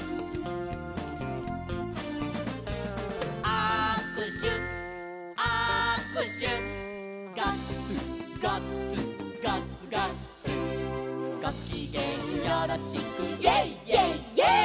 「あくしゅあくしゅ」「ガッツガッツガッツガッツ」「ごきげんよろしくイェイイェイイェイ！」